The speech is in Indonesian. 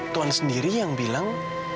tuhan sendiri yang bilang